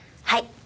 はい。